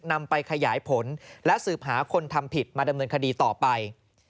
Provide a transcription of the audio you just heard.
นำไปขยายผลและสืบหาคนทำผิดมาดำเนินคดีต่อไป